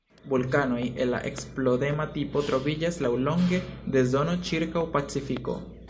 Vulkanoj el la eksplodema tipo troviĝas laŭlonge de zono ĉirkaŭ Pacifiko.